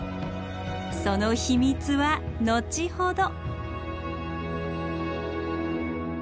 その秘密は後ほど。